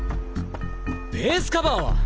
ベースカバーは？